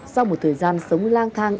sau một thời gian sống lang thang